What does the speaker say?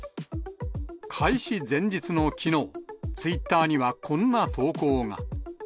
開始前日のきのう、ツイッターにはこんな投稿が。